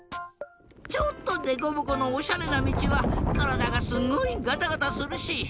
ちょっとデコボコのおしゃれなみちはからだがすごいガタガタするし。